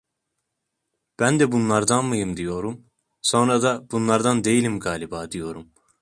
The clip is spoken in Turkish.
Ben de bunlardan mıyım, diyorum, sonra da bunlardan değilim galiba, diyorum.